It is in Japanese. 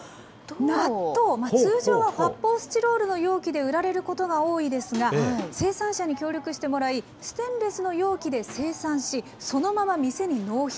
通常は発泡スチロールの容器で売られることが多いですが、生産者に協力してもらい、ステンレスの容器で生産し、そのまま店に納品。